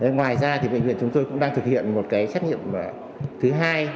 ngoài ra thì bệnh viện chúng tôi cũng đang thực hiện một xét nghiệm thứ hai